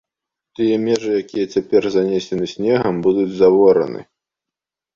Тыя межы, якія цяпер занесены снегам, будуць завораны.